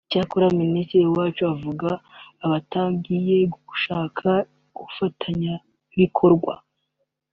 Icyakora Minisitiri Uwacu avuga batangiye gushaka abafatanyabikorwa